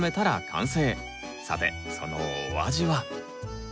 さてそのお味は？